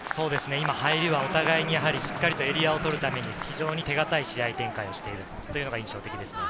今、入りはお互いにエリアを取るために手堅い試合展開をしているというのが印象的ですね。